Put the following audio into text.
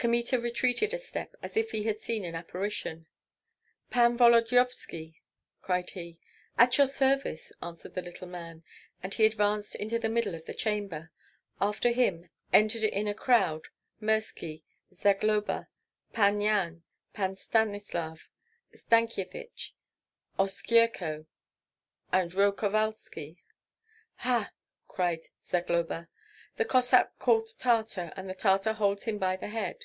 Kmita retreated a step, as if he had seen an apparition. "Pan Volodyovski!" cried he. "At your service!" answered the little man. And he advanced into the middle of the chamber; after him entered in a crowd Mirski, Zagloba, Pan Yan, Pan Stanislav, Stankyevich, Oskyerko and Roh Kovalski. "Ha!" cried Zagloba; "the Cossack caught a Tartar, and the Tartar holds him by the head!"